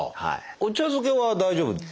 お茶漬けは大丈夫ですよ？